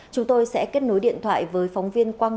chúng tôi sẽ kết nối điện thoại với phóng viên quang